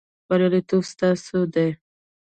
بریالیتوب ستاسو دی